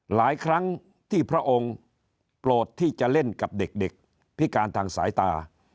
หลายครั้งที่พระองค์โปรดที่จะเล่นกับเด็กพิการทางสายตา